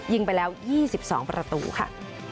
ยิงไปแล้วยี่สิบสองประตูค่ะ